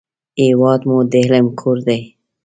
هېواد مو د علم کور دی